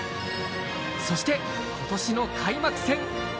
そして、ことしの開幕戦。